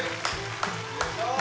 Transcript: ・よいしょ！